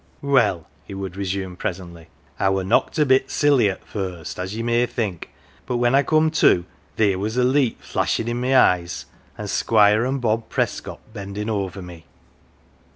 " Well,"" he would re sume presently, " I were knocked a bit silly at first, as ye may think, but when I come to, theer was a leet flashin' i' my eyes, an" 1 Squire an" 1 Bob Prescott bendin' over me.